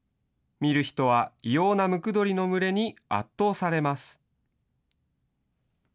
見る人は異様なムクドリの群れに圧倒されます。